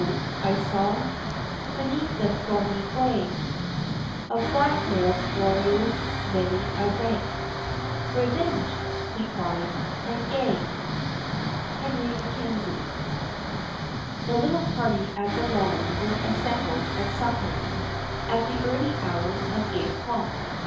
I saw, Beneath the thornie brae, Of black mail'd warriors many a rank; 'Revenge!' he cried, 'and gae.'" HENRY MACKENZIE. The little party at the Lodge were assembled at supper, at the early hour of eight o'clock.